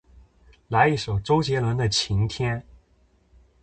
来一首周杰伦的晴天